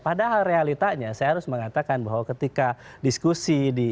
padahal realitanya saya harus mengatakan bahwa ketika diskusi di